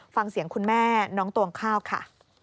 ฟังเสียงคุณแม่น้องตวงข้าวค่ะ